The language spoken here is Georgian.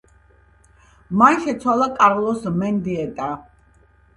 მან შეცვალა კარლოს მენდიეტა.